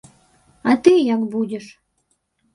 А ты як будзіш?